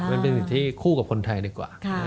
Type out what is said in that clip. มันเป็นอยู่ที่คู่กับคนไทยดีกว่า